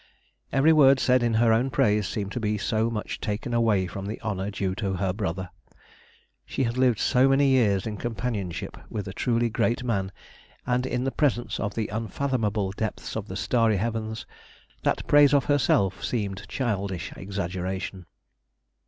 Every word said in her own praise seemed to be so much taken away from the honour due to her brother. She had lived so many years in companionship with a truly great man, and in the presence of the unfathomable depths of the starry heavens, that praise of herself seemed childish exaggeration.